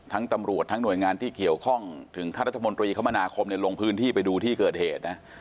ตำรวจทั้งหน่วยงานที่เกี่ยวข้องถึงขั้นรัฐมนตรีคมนาคมลงพื้นที่ไปดูที่เกิดเหตุนะ